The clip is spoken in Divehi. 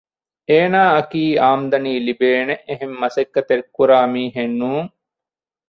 އޭނާއަކީ އާމްދަނީ ލިބޭނެ އެހެން މަސައްކަތެއް ކުރާ މީހެއް ނޫން